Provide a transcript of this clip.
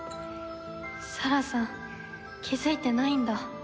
沙羅さん気づいてないんだ